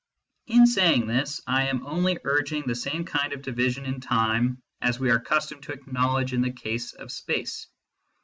In saying this I am only urging the same kind of division in time as we are accustomed to acknowledge in the case of space.